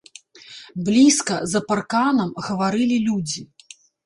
Блізка, за парканам, гаварылі людзі.